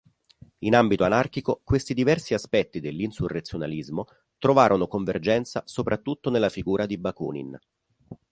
In ambito anarchico questi diversi aspetti dell'insurrezionalismo trovarono convergenza soprattutto nella figura di Bakunin.